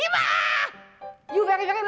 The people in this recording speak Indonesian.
ibu sangat sangat sakit deh imah